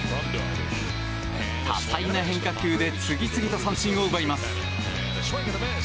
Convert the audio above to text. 多彩な変化球で次々と三振を奪います。